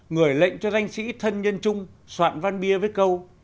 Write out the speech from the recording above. người lệnh cho danh sĩ thân nhân chung soạn văn bia với câu